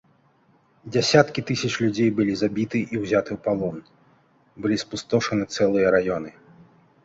Дзясяткі тысяч людзей былі забіты і ўзяты ў палон, былі спустошаны цэлыя раёны.